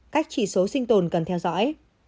cách chỉ số sinh tồn cần theo dõi